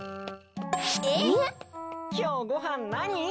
えっ⁉きょうごはんなに？